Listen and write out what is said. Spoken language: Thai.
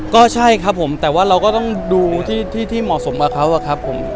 ก็ใช่ครับผมแต่ว่าเราก็ต้องดูที่เหมาะสมกับเขาอะครับผม